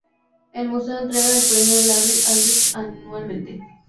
El museo entrega el Premio Larry Aldrich anualmente.·